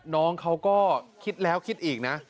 น้องเขาก็คิดแล้วคิดอีกนะ